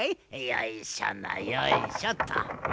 よいしょのよいしょっと。